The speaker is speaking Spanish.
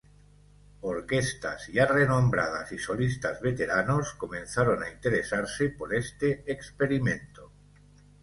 Orquestas ya renombradas y solistas veteranos comenzaron a interesarse por este experimento.